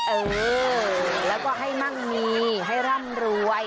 เออแล้วก็ให้มั่งมีให้ร่ำรวย